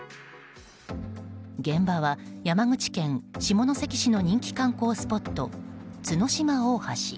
現場は山口県下関市の人気観光スポット、角島大橋。